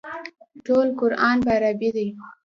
ټول قران په عربي دی.